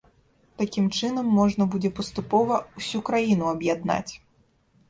Такім чынам можна будзе паступова ўсю краіну аб'яднаць.